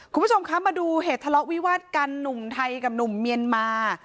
คุณผู้ชมคะมาดูเหตุทะเลาะวิวาดกันหนุ่มไทยกับหนุ่มเมียนมา